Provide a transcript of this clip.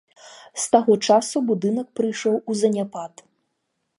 З таго часу будынак прыйшоў у заняпад.